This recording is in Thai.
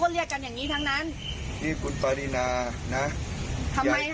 ทำไมคนนั้นรับของจริงของคนนี้ไม่รับเป็นเพราะอะไร